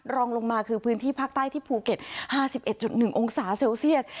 รองลงมาคือพื้นที่ภาคใต้ที่ภูเก็ต๕๑๑องศาเซลเซียส